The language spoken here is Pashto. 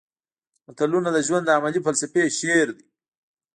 متلونه د ژوند د عملي فلسفې شعر دي